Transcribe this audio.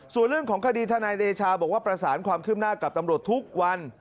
ส่วนเรื่องของคดีทนายเดชาบอกว่าประสานความคืบหน้ากับตำรวจทุกวัน